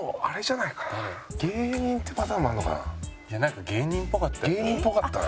なんか芸人っぽかったよな。